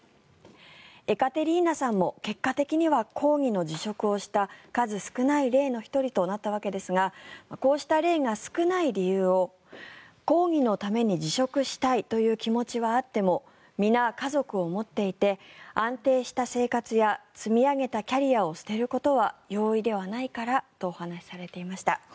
エカテリーナさんも結果的には抗議の辞職をした数少ない例の１人となったわけですがこうした例が少ない理由を抗議のために辞職したいという気持ちはあっても皆、家族を持っていて安定した生活や積み上げたキャリアを捨てることは容易ではないからとお話されていました。